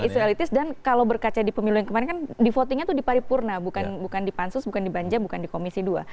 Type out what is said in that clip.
isu elitis dan kalau berkaca di pemilu yang kemarin kan di votingnya itu di paripurna bukan di pansus bukan di banja bukan di komisi dua